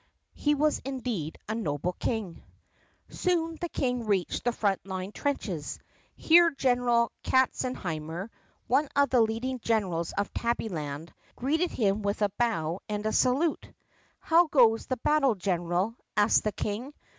He was indeed a noble King. Soon the King reached the front line trenches. Here Gen eral Katzenheimer, one of the leading generals of Tabbyland, greeted him with a bow and a salute. "How goes the battle, general*?" asked the King.